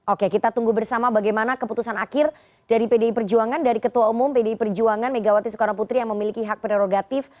oke kita tunggu bersama bagaimana keputusan akhir dari pdi perjuangan dari ketua umum pdi perjuangan megawati soekarno putri yang memiliki hak prerogatif